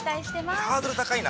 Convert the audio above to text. ◆ハードル高いな。